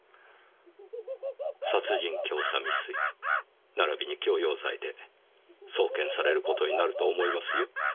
殺人教唆未遂ならびに強要罪で送検される事になると思いますよ。